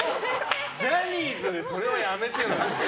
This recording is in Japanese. ジャニーズでそれはやめてよ。